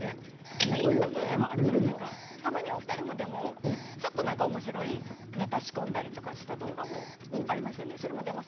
たまにお二人もちょっとおもしろいネタを仕込んだりした動画もありましたね。